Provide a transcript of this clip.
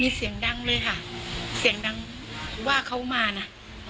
มีเสียงดังเลยค่ะเสียงดังว่าเขามานะ